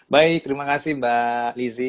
baik terima kasih mbak lizzie